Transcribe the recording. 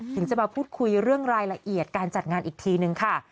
ถึงจะมาพูดคุยเรื่องรายละเอียดการจัดงานอีกทีนึงค่ะ